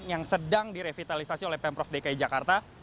yang sedang direvitalisasi oleh pemprov dki jakarta